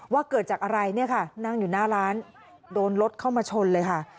เกิดจากอะไรเนี่ยค่ะนั่งอยู่หน้าร้านโดนรถเข้ามาชนเลยค่ะ